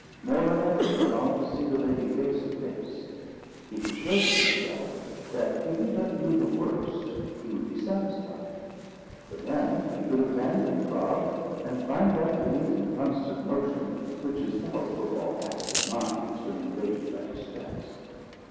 More than ever he longed to see the lady face to face. He persuaded himself that if he but knew the worst he would be satisfied; for then he could abandon Prague, and find that relief in constant motion, which is the hope of all active minds when invaded by distress.